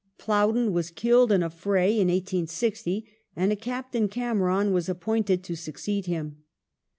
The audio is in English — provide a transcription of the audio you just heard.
Plowden was killed in a fray in 1860, and a Captain Cameron was appointed to succeed him.